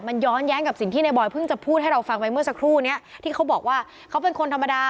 มันย้อนแย้งกับสิ่งที่ในบอยเพิ่งจะพูดให้เราฟังไปเมื่อสักครู่เนี้ยที่เขาบอกว่าเขาเป็นคนธรรมดา